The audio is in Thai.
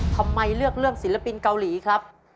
ทำไมเลือกเรื่องศิลปินเกาหลีครับ